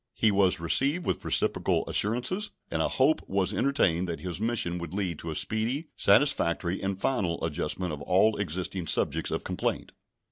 He was received with reciprocal assurances, and a hope was entertained that his mission would lead to a speedy, satisfactory, and final adjustment of all existing subjects of complaint.